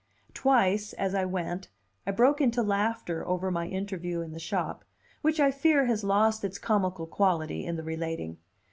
Twice, as I went, I broke into laughter over my interview in the shop, which I fear has lost its comical quality in the relating.